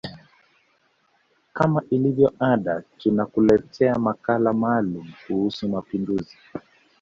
kama ilivyo ada tunakuletea makala maalumu kuhushu mapinduzi